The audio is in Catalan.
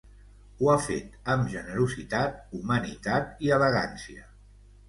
Ho ha fet amb generositat, humanitat i elegància.